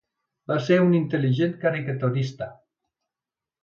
Va ser un intel·ligent caricaturista.